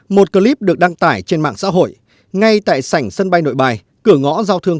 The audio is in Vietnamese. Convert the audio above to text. một clip được đăng tải trên mạng xã hội ngay tại sảnh sân bay nội bài cửa ngõ giao thương